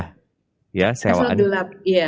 charteran gelap ya